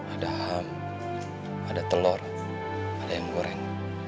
ada ham ada telur ada yang goreng